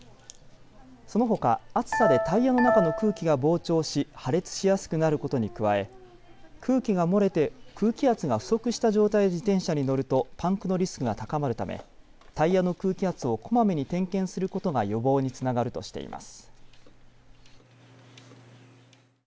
そのほか暑さでタイヤの中の空気が膨張し破裂しやすくなることに加え空気が漏れて空気圧が不足した状態で自転車に乗るとパンクのリスクが高まるためタイヤの空気圧をこまめに点検することが予防につながるとしています。